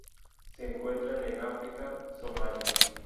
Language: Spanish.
Se encuentran en África: Somalia.